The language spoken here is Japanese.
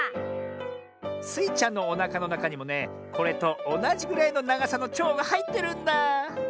スイちゃんのおなかのなかにもねこれとおなじぐらいのながさのちょうがはいってるんだあ。